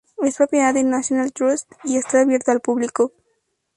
Es propiedad del National Trust y está abierto al público.